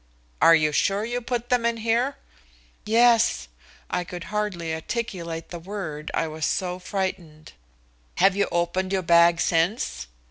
"Are you sure you put them in here?" "Yes." I could hardly articulate the word, I was so frightened. "Have you opened your bag since?"